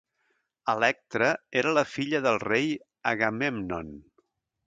Electra era la filla del rei Agamèmnon.